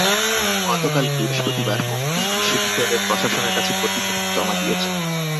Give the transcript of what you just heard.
গতকাল বৃহস্পতিবার কমিটি বিশ্ববিদ্যালয় প্রশাসনের কাছে প্রতিবেদন জমা দিয়েছে।